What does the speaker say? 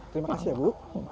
terima kasih ibu